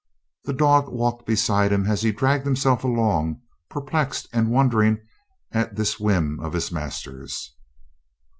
The dog walked beside him as he dragged himself along, perplexed and wondering at this whim of his master's.